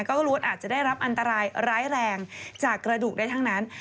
ก็ล้วนอาจจะได้รับอันตรายร้ายแรงจากกระดูกได้ทั้งนั้น